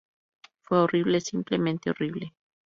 Fue horrible, simplemente horrible.